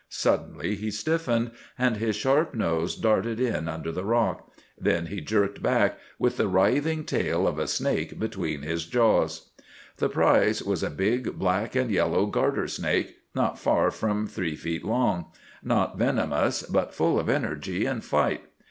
Suddenly he stiffened, and his sharp nose darted in under the rock. Then he jerked back, with the writhing tail of a snake between his jaws. The prize was a big black and yellow garter snake, not far from three feet long,—not venomous, but full of energy and fight.